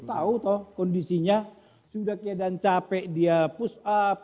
tahu toh kondisinya sudah keadaan capek dia push up